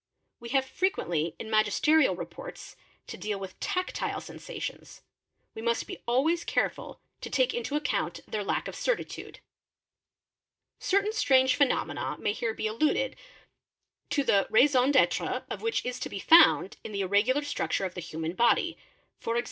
We have frequently in magisterial reports, to deal with tactile sensations; we must be always careful to take into account their lack of certitude. ph Certain strange phenomena may here be alluded, to the raison d'étre of. which is to be found in the irregular structure of the human body, e.g.